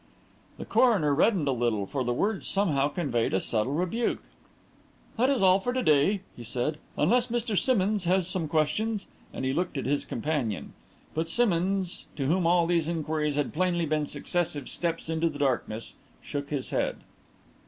The coroner reddened a little, for the words somehow conveyed a subtle rebuke. "That is all for to day," he said; "unless Mr. Simmonds has some questions?" and he looked at his companion. But Simmonds, to whom all these inquiries had plainly been successive steps into the darkness, shook his head.